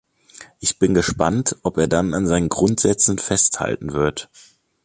Ich bin gespannt, ob er dann an seinen Grundsätzen festhalten wird.